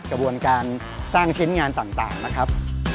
กระบวนการสร้างชิ้นงานต่างนะครับ